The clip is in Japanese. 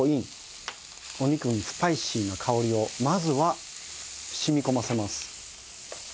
お肉にスパイシーな香りをまずは染み込ませます。